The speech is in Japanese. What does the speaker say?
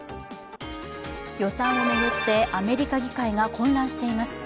予算を巡って、アメリカ議会が混乱しています。